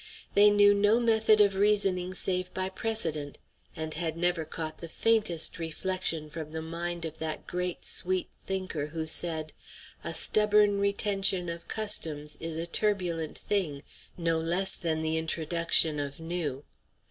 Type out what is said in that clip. They knew no method of reasoning save by precedent, and had never caught the faintest reflection from the mind of that great, sweet thinker who said, "A stubborn retention of customs is a turbulent thing, no less than the introduction of new."